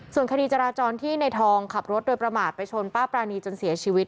ส่วนคดีจราจรที่ในทองขับรถโดยประมาทไปชนป้าปรานีจนเสียชีวิต